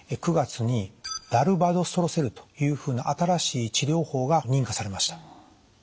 ９月にダルバドストロセルというふうな新しい治療法が認可されました。